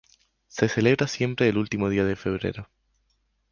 Se celebra siempre el último día de febrero.